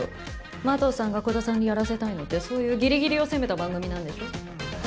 麻藤さんが鼓田さんにやらせたいのってそういうギリギリを攻めた番組なんでしょ？